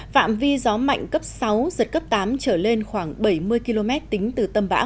phạm vi gió mạnh cấp sáu giật cấp tám trở lên khoảng bảy mươi km tính từ tâm bão